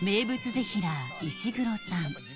ぜひらー石黒さん